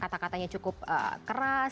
kata katanya cukup keras